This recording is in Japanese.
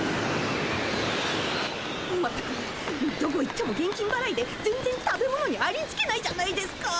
全くどこ行っても現金ばらいで全然食べ物にありつけないじゃないですか。